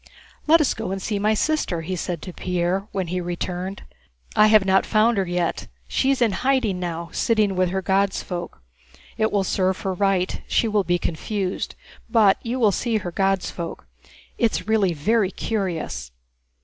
"Let us go and see my sister," he said to Pierre when he returned. "I have not found her yet, she is hiding now, sitting with her 'God's folk.' It will serve her right, she will be confused, but you will see her 'God's folk.' It's really very curious."